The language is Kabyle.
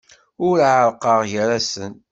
Ur ɛerrqeɣ gar-asen.